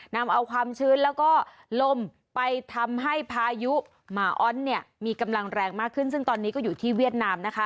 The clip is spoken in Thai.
นำเอาความชื้นแล้วก็ลมไปทำให้พายุหมาอ้อนเนี่ยมีกำลังแรงมากขึ้นซึ่งตอนนี้ก็อยู่ที่เวียดนามนะคะ